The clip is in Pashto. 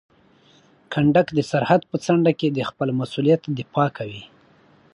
کنډک د سرحد په څنډه کې د خپل مسؤلیت دفاع کوي.